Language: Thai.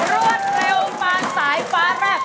รวดเร็วมาสายฟ้าแรก